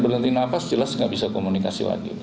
berhenti nafas jelas tidak bisa komunikasi